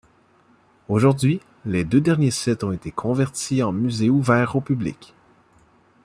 Aujourd’hui, les deux derniers sites ont été convertis en musées ouverts au public.